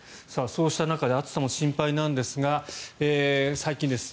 そうした中で暑さも心配なんですが最近です。